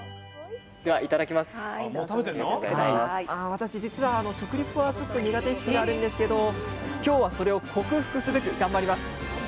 私実は食リポはちょっと苦手意識があるんですけど今日はそれを克服すべく頑張ります！